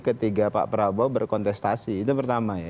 ketika pak prabowo berkontestasi itu pertama ya